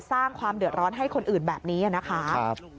สร้างความเดือดร้อนให้คนอื่นแบบนี้นะคะ